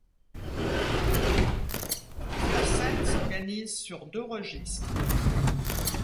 La scène s'organise sur deux registres.